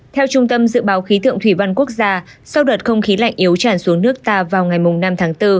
theo trung tâm dự báo khí tượng thủy văn quốc gia sau đợt không khí lạnh yếu tràn xuống nước ta vào ngày năm tháng bốn